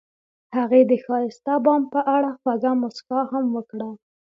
هغې د ښایسته بام په اړه خوږه موسکا هم وکړه.